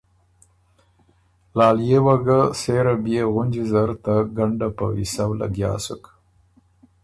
لالئے وه ګه سېره بيې غُنجی زر نه ګنډه په ویسؤ لګیا سُک